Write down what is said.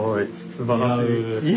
すばらしい。